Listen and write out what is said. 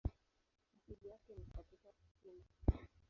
Asili yake ni katika Uchina.